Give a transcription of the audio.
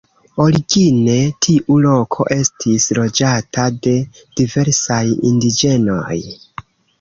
Origine tiu loko estis loĝata de diversaj indiĝenoj.